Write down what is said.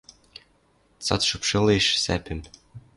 Цат шыпшылеш сӓпӹм.